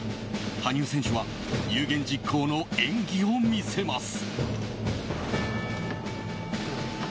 羽生選手は有言実行の演技を見せます。